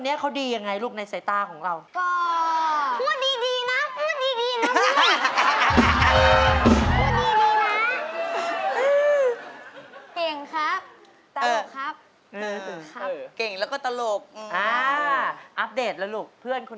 อยู่กับหนูตอนหนูไม่มีใครเคล้นด้วย